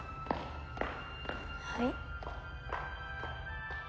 はい。